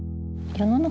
世の中